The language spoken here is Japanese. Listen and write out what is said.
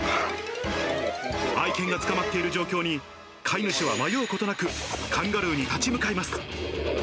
愛犬が捕まっている状況に、飼い主は迷うことなく、カンガルーに立ち向かいます。